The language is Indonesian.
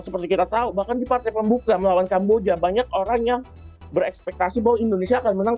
jadi kita tahu bahkan di partai pembuka melawan kamboja banyak orang yang berekspektasi bahwa indonesia akan menang tiga empat sepuluh